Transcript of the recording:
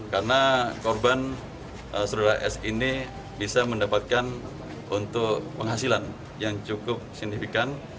karena korban suruh s ini bisa mendapatkan untuk penghasilan yang cukup signifikan